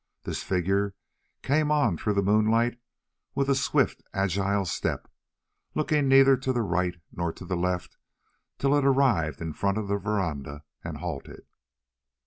This figure came on through the moonlight with a swift agile step, looking neither to the right nor to the left, till it arrived in front of the verandah and halted.